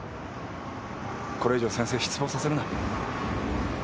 これ以上先生失望させるな。